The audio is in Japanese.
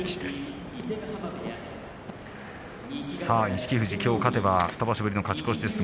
錦富士、きょう勝てば２場所ぶりの勝ち越しです。